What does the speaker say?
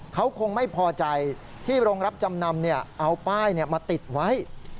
เขาคงไม่พอใจที่โรงรับจำนำเอาป้ายมาติดไว้